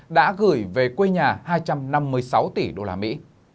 đã gửi về quê nhà hai trăm năm mươi sáu tỷ đô la mỹ